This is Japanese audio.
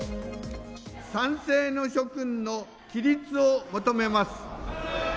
賛成の諸君の起立を求めます。